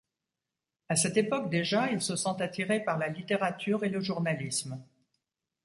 À cette époque déjà, il se sent attiré par la littérature et le journalisme.